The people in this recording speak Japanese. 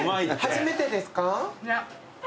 初めてですか？